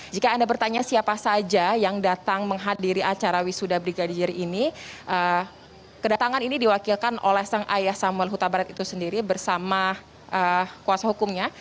jika anda bertanya siapa saja yang datang menghadiri acara wisuda brigadir ini kedatangan ini diwakilkan oleh sang ayah samuel huta barat itu sendiri bersama kuasa hukumnya